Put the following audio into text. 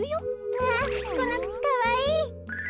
わこのくつかわいい。